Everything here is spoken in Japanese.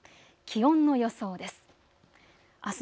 気温の予想です。